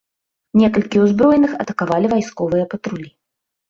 Некалькі ўзброеных атакавалі вайсковыя патрулі.